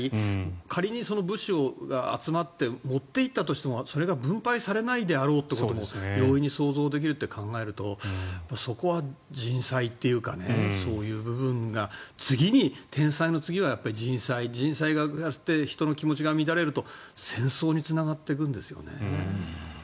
仮に物資が集まって持っていったとしてもそれが分配されないであろうということも容易に想像できると考えるとそこは人災っていうかそういう部分が、次に天災の次は人災やっぱり人災、人災があって人の気持ちが乱れると戦争につながっていくんですよね。